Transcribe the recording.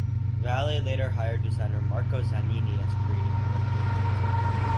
Valle later hired designer Marco Zanini as creative director.